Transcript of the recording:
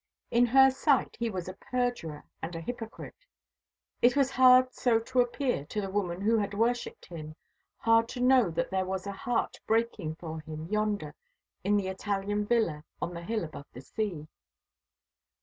In her sight he was a perjurer and a hypocrite. It was hard so to appear to the woman who had worshipped him; hard to know that there was a heart breaking for him yonder in the Italian villa on the hill above the sea.